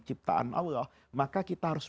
ciptaan allah maka kita harus